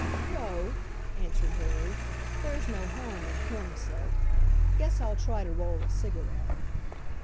"No," answered Harry, "there's no harm in corn silk. Guess I'll try to roll a cigarette."